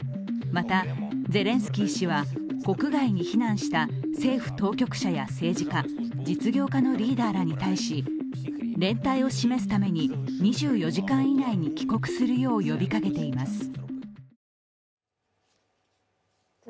また、ゼレンスキー氏は国外に避難した政府当局者や政治家、実業家のリーダーらに対し連帯を示すために、２４時間以内に帰国するよう呼びかけています。